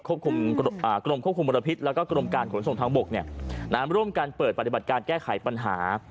กรมควบคุมมลพิษแล้วก็กรมการขนส่งทางบกร่วมกันเปิดปฏิบัติการแก้ไขปัญหา